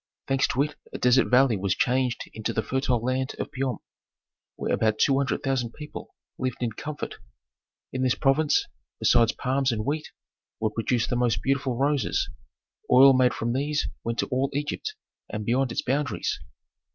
Thanks to it a desert valley was changed into the fertile land of Piom, where about two hundred thousand people lived in comfort. In this province, besides palms and wheat, were produced the most beautiful roses; oil made from these went to all Egypt, and beyond its boundaries.